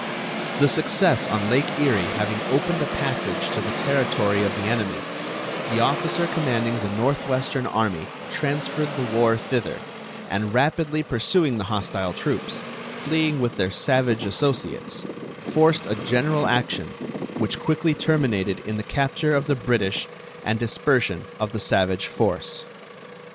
The success on Lake Erie having opened a passage to the territory of the enemy, the officer commanding the Northwestern army transferred the war thither, and rapidly pursuing the hostile troops, fleeing with their savage associates, forced a general action, which quickly terminated in the capture of the British and dispersion of the savage force.